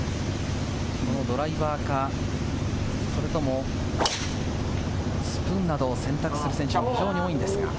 ドライバーか、それともスプーンなどを選択する選手が非常に多いんですが。